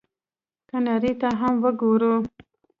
که نړۍ ته هم وګورو،